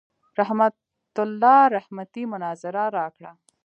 رحمت الله رحمتي مناظره راکړه.